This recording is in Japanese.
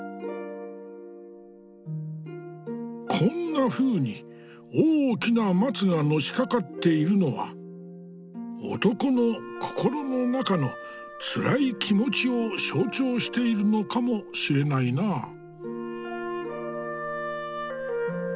こんなふうに大きな松がのしかかっているのは男の心の中のつらい気持ちを象徴しているのかもしれないなあ。